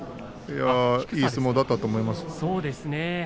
いい相撲だったと思います。